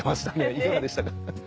いかがでしたか？